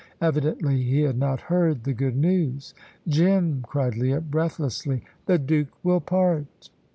Evidently he had not heard the good news. "Jim," cried Leah, breathlessly, "the Duke will part."